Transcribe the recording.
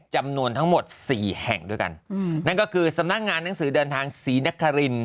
จำนวนทั้งหมดสี่แห่งด้วยกันนั่นก็คือสำนักงานหนังสือเดินทางศรีนคริน